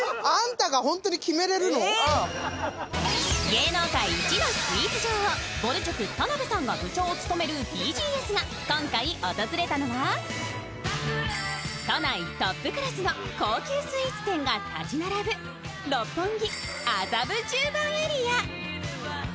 芸能界一のスイーツ女王、ぼる塾田辺さんが部長を務めるＢＧＳが今回訪れたのは都内トップクラスの高級スイーツ点が建ち並ぶ六本木・麻布十番エリア。